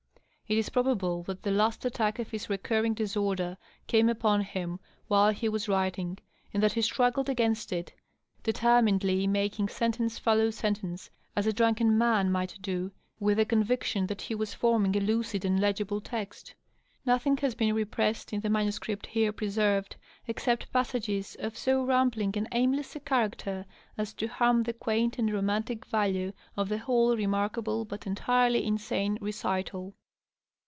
It is probable that the ast attack of his recurring disorder came upon him while he was writing, and that he struggled against it, determinedly making sentence follow sentence, as a drunken man might do, with the conviction that he was forming a lucid and legible text.. Nothing has been repressed in the manuscript here preserved except passages of so rambling and aimless a character as to harm the quaint and romantic value of the whole remarkable but entirely insane recital.